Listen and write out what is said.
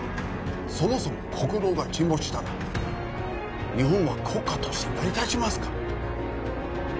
そもそも国土が沈没したら日本は国家として成り立ちますか？